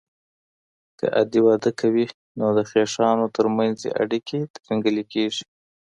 که عادي واده کوي، نو د خيښانو تر منځ ئې اړيکي ترينګلي کيږي.